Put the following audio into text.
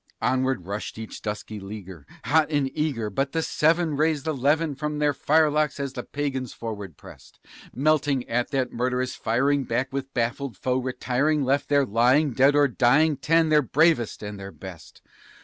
Onward rushed each dusky leaguer, hot and eager, but the seven Rained the levin from their firelocks as the Pagans forward pressed; Melting at that murderous firing, back that baffled foe retiring, Left there lying, dead or dying, ten, their bravest and their best.